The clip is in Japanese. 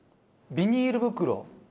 ビニール袋。